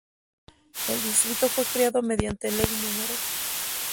El distrito fue creado mediante Ley No.